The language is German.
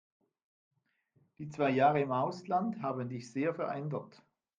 Die zwei Jahre im Ausland haben dich sehr verändert.